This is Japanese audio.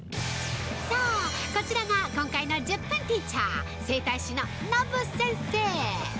◆そう、こちらが今回の１０分ティーチャー整体師のｎｏｂｕ先生！